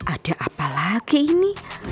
ada apa lagi ini